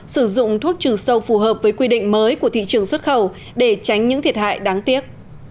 sử dụng thuốc trừ sâu phù hợp với quy định mới của thị trường xuất khẩu để tránh những thiệt hại đáng tiếc